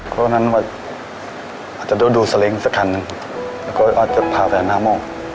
เพราะฉะนั้นว่าอาจจะต้องดูสาเล้งสักครั้งหนึ่งแล้วก็อาจจะพาไปอาณาม่อง